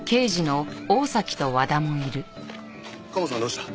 カモさんどうした？